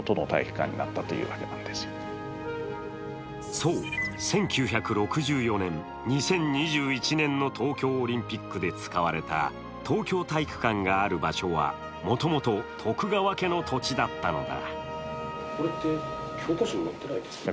そう、１９６４年、２０２１年の東京オリンピックで使われた東京体育館がある場所はもともと徳川家の土地だったのだ。